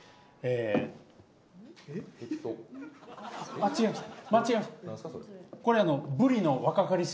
間違いました。